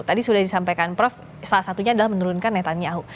tadi sudah disampaikan prof salah satunya adalah menurunkan netanya ahu